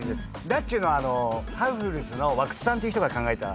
「だっちゅーの」はハウフルスのワクツさんっていう人が考えた。